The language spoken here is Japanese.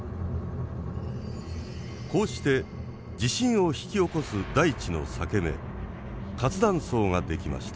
こうして地震を引き起こす大地の裂け目活断層が出来ました。